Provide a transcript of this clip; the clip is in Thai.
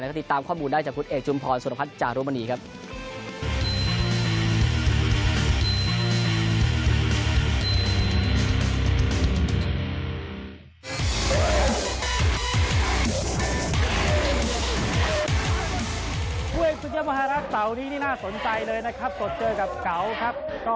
แล้วก็ติดตามข้อมูลได้จากคุณเอกชุมพรสุรพัฒน์จารุมณีครับ